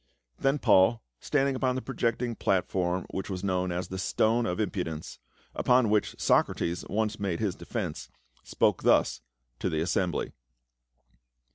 Then Paul, standing upon the projecting platform which was known as the "Stone of Impudence," upon which Socrates once made his defence, spoke thus to the assembly.